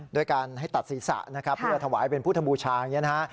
ด้วยการให้ตัดศีรษะนะครับเพื่อถวายเป็นพุทธบูชาอย่างนี้นะฮะ